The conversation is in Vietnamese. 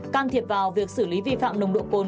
can thiệp vào việc xử lý vi phạm nồng độ cồn